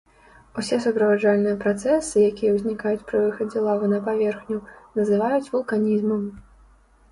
Усе суправаджальныя працэсы, якія ўзнікаюць пры выхадзе лавы на паверхню, называюць вулканізмам.